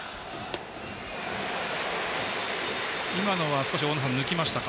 今のは少し抜きましたか。